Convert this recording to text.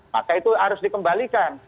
maka itu harus dikembalikan